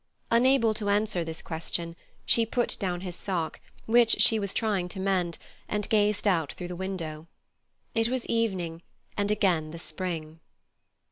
Unable to answer this question, she put down his sock, which she was trying to mend, and gazed out through the window. It was evening and again the spring.